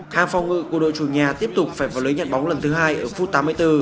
khang phong ngự của đội chủ nhà tiếp tục phải vào lưới nhận bóng lần thứ hai ở phút tám mươi bốn